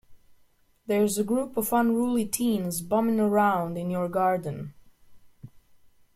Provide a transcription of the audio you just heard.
There's a group of unruly teens bumming around in your garden.